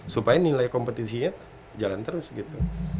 supaya nilai kompetisinya jalan terus gitu